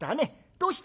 どうした？